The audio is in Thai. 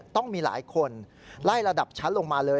ต้องมีหลายคนไล่ระดับชั้นลงมาเลย